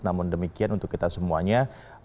namun demikian untuk kita semuanya